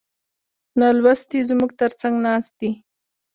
نالوستي زموږ تر څنګ ناست دي.